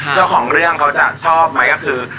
เจ้าของเรื่องเขาจะชอบไหมก็คือ